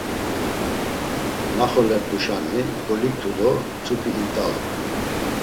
Naxolert̆uşani goliktu do mtzupi int̆alu.